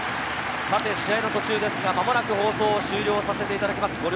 試合の途中ですが、間もなく放送を終了させていただきます。